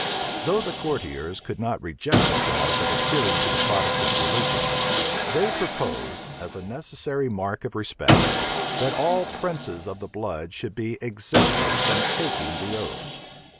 Though the courtiers could not reject the clause of adhering to the Protestant religion, they proposed, as a necessary mark of respect, that all princes of the blood should be exempted from taking the oath.